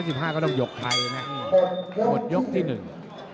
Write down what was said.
หมดยกที่หนึ่ง